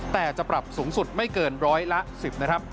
แต่จะปรับสูงสุดไม่เกิน๑๑๐บาทนะครับ